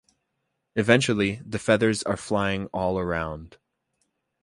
Eventually, the feathers are flying all around.